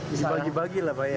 dibagi bagilah pak ya